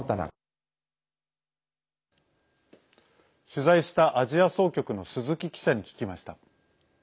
取材したアジア総局の鈴木記者に聞きました。